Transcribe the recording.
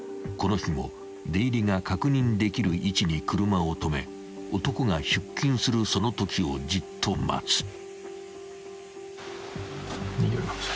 ［この日も出入りが確認できる位置に車を止め男が出勤するそのときをじっと待つ］